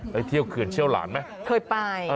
ไปเที่ยวเกืนเชี่ยวหลานมั้ยเตยไป